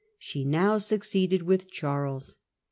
She now succeeded with Charles.